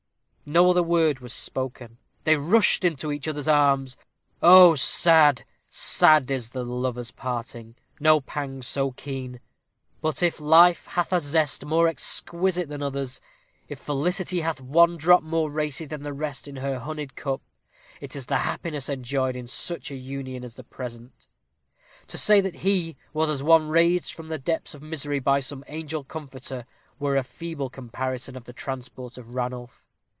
No other word was spoken. They rushed into each other's arms. Oh! sad sad is the lover's parting no pang so keen; but if life hath a zest more exquisite than others if felicity hath one drop more racy than the rest in her honeyed cup, it is the happiness enjoyed in such a union as the present. To say that he was as one raised from the depths of misery by some angel comforter, were a feeble comparison of the transport of Ranulph.